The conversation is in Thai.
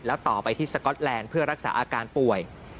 แล้วต่อไปที่สก๊อตแลนด์เพื่อรักษาอาการป่วย